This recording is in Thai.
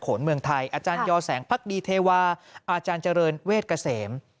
นเมืองไทยอาจารยอแสงพักดีเทวาอาจารย์เจริญเวชเกษม